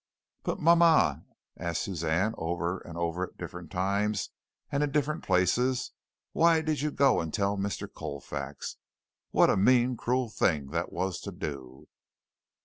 "But, mama," asked Suzanne over and over at different times, and in different places, "why did you go and tell Mr. Colfax? What a mean, cruel thing that was to do!"